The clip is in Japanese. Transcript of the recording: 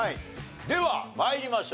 では参りましょう。